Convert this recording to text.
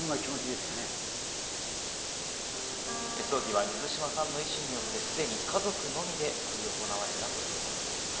葬儀は水島さんの意思によってすでに家族のみで執り行われたということです。